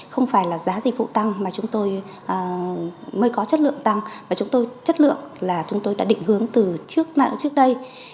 không phải là giá dịch vụ tăng mà chúng tôi mới có chất lượng tăng và chúng tôi chất lượng là chúng tôi đã định hướng từ trước đây